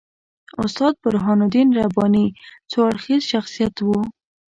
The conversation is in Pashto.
استاد برهان الدین رباني څو اړخیز شخصیت وو.